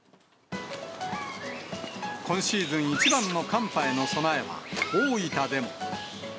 今シーズン一番の寒波への備えは、大分でも。